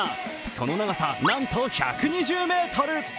その長さなんと１２０ｍ。